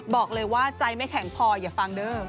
บอกเลยว่าใจไม่แข็งพออย่าฟังเด้อ